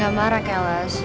gak marah kelas